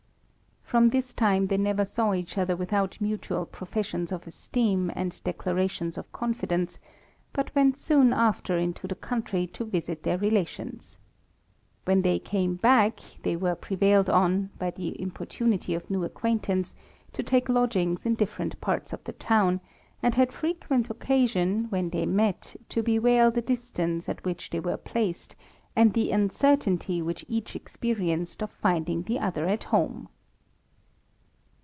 From this time they never saw each other without mutual professions of esteem, and declarations of confidence, but went soon after into the country to visit their relations. When they came back, they were prevailed on, by the importunity of new acquaintance, to take lodgings in different parts of the town, and had frequent occasion, when they met, to bewail the distance at which they were placed, and the uncertainty which each experienced of finding the other at home.